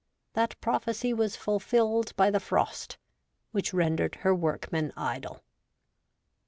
That prophecy was fulfilled by the frost, which rendered her workmen idle.